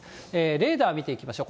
レーダー見ていきましょう。